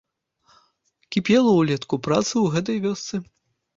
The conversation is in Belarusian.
Кіпела ўлетку праца ў гэтай вёсцы.